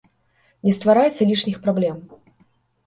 Не стварайце лішніх праблем.